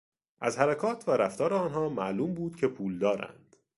از حرکات و رفتار آنها معلوم بود که پولدارند.